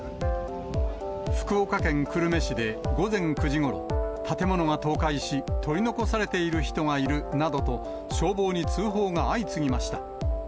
福岡県久留米市で午前９時ごろ、建物が倒壊し、取り残されている人がいるなどと、消防に通報が相次ぎました。